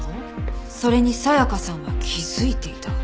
それに紗香さんは気づいていた。